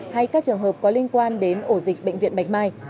hay các trường hợp có liên quan đến ổ dịch bệnh viện bạch mai